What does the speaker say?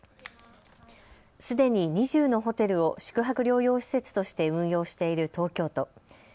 すでに２０のホテルを宿泊療養施設として運用している東京都。